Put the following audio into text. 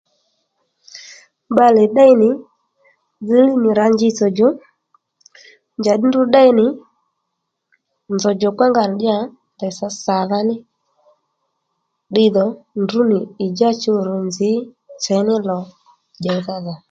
Bbalè ddéy nì dzilíy nì rǎ njitsò djò njà ddí ndrǔ ddéy nì nzòw djòkpa nga nì ddí ya ndèy sǎ sàdha ní ddiy dhò ndrǔ nì ì já chuw rř nzǐ chèy ní lò njèydha dhò